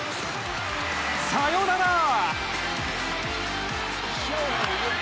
サヨナラー！